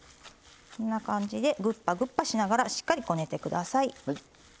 こんな感じでグッパグッパしながらしっかり、こねてください。